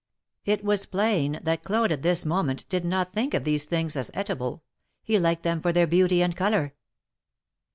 It was plain that Claude at this moment did not think of these things as eatable ; he liked them for their beauty and color.